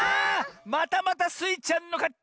またまたスイちゃんのかち！